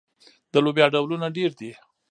د لوبیا ډولونه ډیر دي.